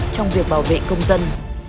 trong việc bảo vệ công dân